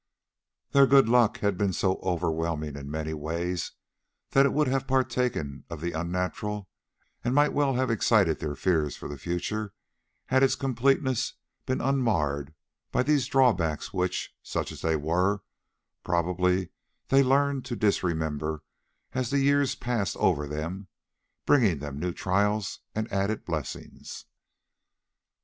Their good luck had been so overwhelming in many ways, that it would have partaken of the unnatural, and might well have excited their fears for the future, had its completeness been unmarred by these drawbacks which, such as they were, probably they learned to disremember as the years passed over them bringing them new trials and added blessings.